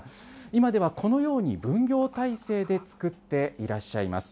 今ではこのように、分業態勢で作っていらっしゃいます。